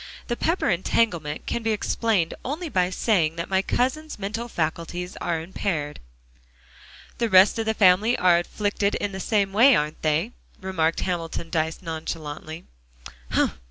The Pepper entanglement can be explained only by saying that my cousin's mental faculties are impaired." "The rest of the family are afflicted in the same way, aren't they?" remarked Hamilton Dyce nonchalantly.